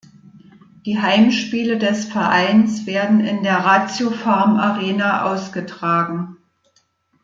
Die Heimspiele des Vereins werden in der Ratiopharm-Arena ausgetragen.